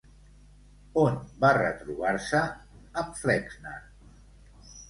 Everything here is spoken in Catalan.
On va retrobar-se amb Flexner?